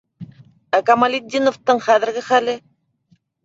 Ә Камалетдиновтың хәҙерге хәле?